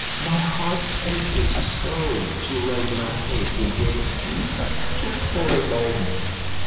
my heart aches so to lay my head against you just for one moment.